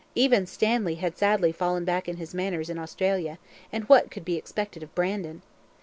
Even Stanley had sadly fallen back in his manners in Australia, and what could be expected of Brandon?